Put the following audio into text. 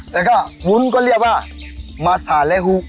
แต่ก็วุ้นก็เรียกว่ามาสารและฮุก